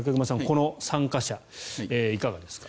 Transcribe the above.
この参加者いかがですか。